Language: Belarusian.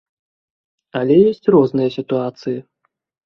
Але ёсць розныя сітуацыі.